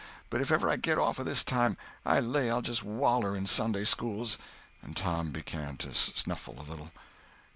But if ever I get off this time, I lay I'll just waller in Sunday schools!" And Tom began to snuffle a little.